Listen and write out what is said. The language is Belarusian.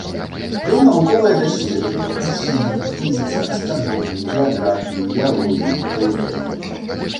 Вёў навуковыя даследаванні па хіміі, фізіцы, астраноміі, геаграфіі, геалогіі, металургіі.